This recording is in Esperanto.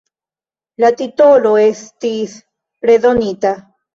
La titolo estis redonita.